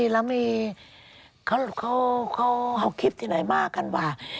แล้วมีเขาคิดที่ไหนมากกันว่า